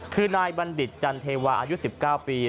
คือนายบัณฑิตจันเทวาอายุ๑๙ปี